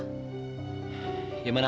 kamu suka sama cowo lain